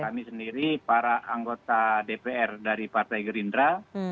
kami sendiri para anggota dpr dari partai gerindra